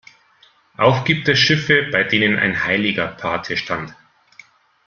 Auch gibt es Schiffe, bei denen ein „Heiliger“ Pate stand.